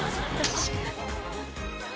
確かに。